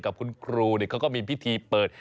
กับคุณครูเขาก็มีพิธีเปิด